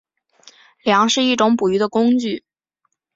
梁是一种捕鱼的工具。